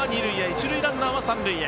一塁ランナーは三塁へ。